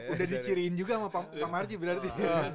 udah diciriin juga sama pak marji berarti